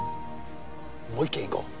もう一軒行こう。